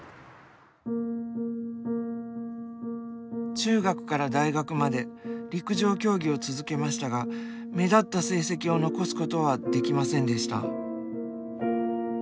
中学から大学まで陸上競技を続けましたが目立った成績を残すことはできませんでした。